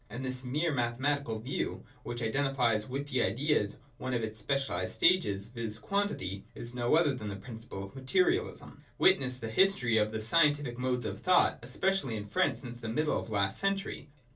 And this mere mathematical view, which identifies with the Idea one of its special stages, viz. quantity, is no other than the principle of Materialism. Witness the history of the scientific modes of thought, especially in France since the middle of last century.